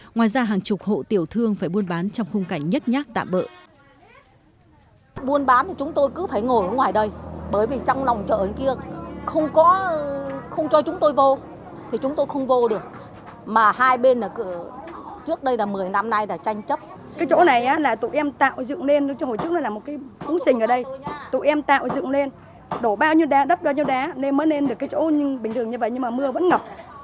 ngoài ra hàng chục hộ tiểu thương phải buôn bán trong khung cảnh nhắc nhắc tạm bỡ